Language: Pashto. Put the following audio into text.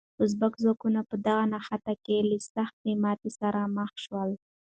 ازبک ځواکونه په دغه نښته کې له سختې ماتې سره مخ شول.